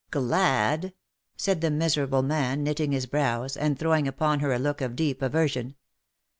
" Glad?" said the miserable man, knitting his brows, and throwing upon her a look of deep aversion.